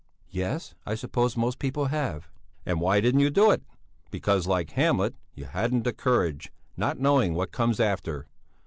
"Yes; I suppose most people have." "And why didn't you do it? Because, like Hamlet, you hadn't the courage, not knowing what comes after.